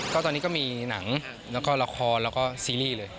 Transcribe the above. ก็ตอนนี้ก็มีหนังแล้วก็ละครแล้วก็ซีรีส์เลย